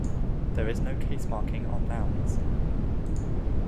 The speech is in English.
There is no case-marking on nouns.